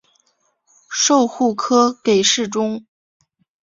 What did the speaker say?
授户科给事中。